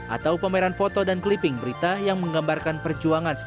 atau pameran foto dan clipping berita yang menggambarkan perjuangan